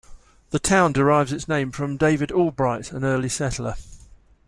The town derives its name from David Albright, an early settler.